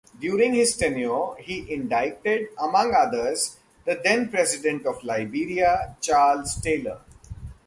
During his tenure, he indicted, among others, the then-President of Liberia, Charles Taylor.